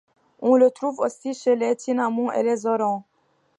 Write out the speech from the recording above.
On le trouve aussi chez les tinamous et les hérons.